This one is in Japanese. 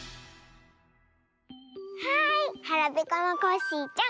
はいはらぺこのコッシーちゃん